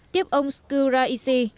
tiếp ông skura ishi